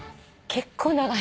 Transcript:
結構長い間。